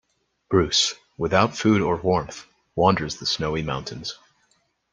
Bruce, without food or warmth, wanders the snowy mountains.